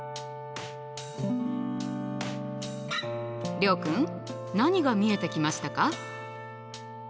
諒君何が見えてきましたか？